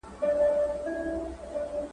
دا پارک د خلکو له خوا جوړ شوی دی.